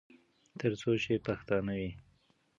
تر څو چې پښتانه وي.